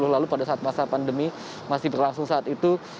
lalu pada saat masa pandemi masih berlangsung saat itu